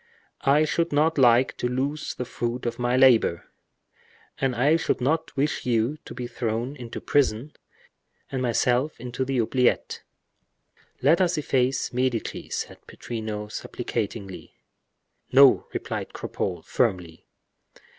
"I should not like to lose the fruit of my labor." "And I should not wish you to be thrown into prison, and myself into the oubliettes." "Let us efface 'Medici'," said Pittrino, supplicatingly. "No," replied Cropole, firmly.